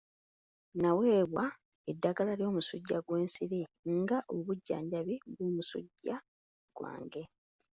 Naweebwa eddagala ly'omusujjja gw'ensiri nga obujjanjabi bw'omusujja gwange.